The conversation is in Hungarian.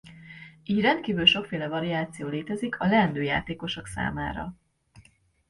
Így rendkívül sokféle variáció létezik a leendő játékosok számára.